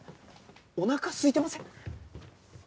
おなかすいてません？